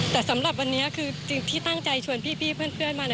แต่สำหรับวันนี้คือที่ตั้งใจชวนพี่เพื่อนมา